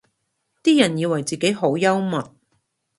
啲人以為自己好幽默